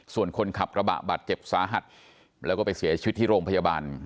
ส่วนคนขับกระบะบาดเจ็บสาหัสแล้วก็ไปเสียชีวิตที่โรงพยาบาล